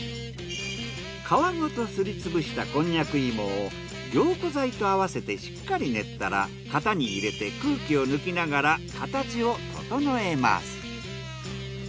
皮ごとすり潰したこんにゃく芋を凝固剤とあわせてしっかり練ったら型に入れて空気を抜きながら形を整えます。